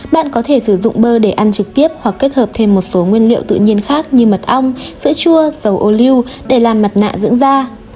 bạn có thể sử dụng bơ để ăn trực tiếp hoặc kết hợp thêm một số nguyên liệu tự nhiên khác như mật ong sữa chua sầu ô lưu để làm mặt nạ dưỡng da